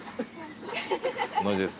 同じです。